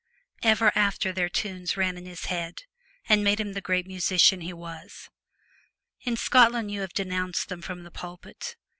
Ever after their tunes ran in his head, and made him the great musician he was. In Scotland you have denounced them from the pulpit.